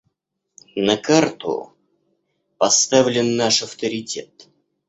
На карту поставлен наш авторитет.